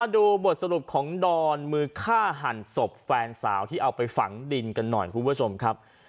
ดูบทสรุปของดอนมือฆ่าหันศพแฟนสาวที่เอาไปฝังดินกันหน่อยคุณผู้ชมครับ